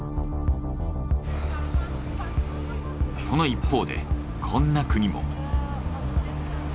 その一方でこんな国も。